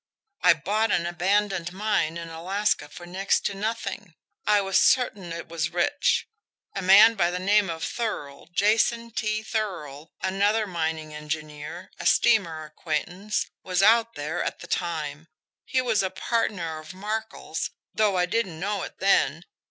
I bought an abandoned mine in Alaska for next to nothing I was certain it was rich. A man by the name of Thurl, Jason T. Thurl, another mining engineer, a steamer acquaintance, was out there at the time he was a partner of Markel's, though I didn't know it then.